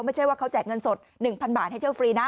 ไม่ใช่ว่าเขาแจกเงินสด๑๐๐บาทให้เที่ยวฟรีนะ